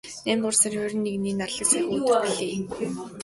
Наймдугаар сарын хорин хэдний нарлаг сайхан өдөр билээ.